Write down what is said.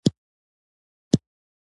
شپانه، خټبانه، ژوند او خوځښت وینم.